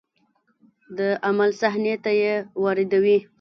د عمل صحنې ته یې واردوي.